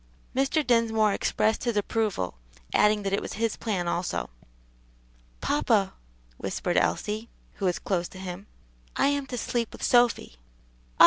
Mr. Dinsmore expressed his approval, adding that it was his plan also. "Papa," whispered Elsie, who was close to him, "I am to sleep with Sophy." "Ah!